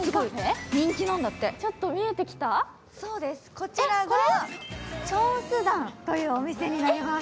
こちらがチョンスダンというお店になります。